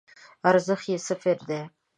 ارزښت یی صفر دی